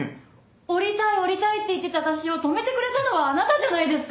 降りたい降りたいって言ってた私を止めてくれたのはあなたじゃないですか！